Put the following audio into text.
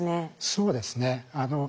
そうです。